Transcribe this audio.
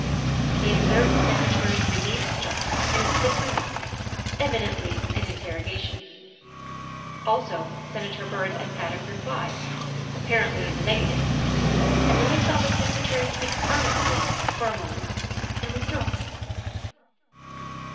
They observed the Secre tary's relieved start and his quick remark, evidently an interrogation; also Senator Byrd's emphatic reply, ap parently in the negative; and then they saw the Secre tary speak earnestly for a moment and withdraw.